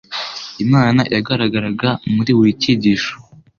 Imana yagaragaraga muri buri cyigisho.